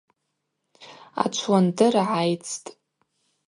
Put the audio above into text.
Ачвуандыр гӏайцтӏ.